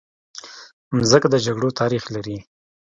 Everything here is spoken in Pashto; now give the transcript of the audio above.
مځکه د جګړو تاریخ لري.